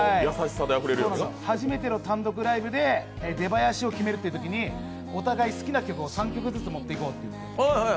初めての単独ライブで出囃子を決めるときにお互い好きな曲を３曲ずつ持っていこうと。